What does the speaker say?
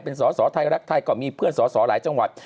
เป็นสอสอไทยรักไทยก็มีเพื่อนสอสอหลายจังหวัด